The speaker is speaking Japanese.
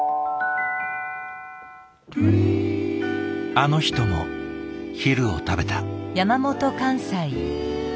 あの人も昼を食べた。